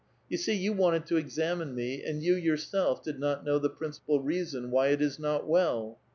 Tou see, you wanted to examine me, and yon yourself did not know the principal reason why it is not 'well.